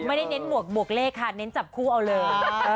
ไม่ได้เน้นบวกบวกเลขค่ะเน้นจับคู่เอาเลย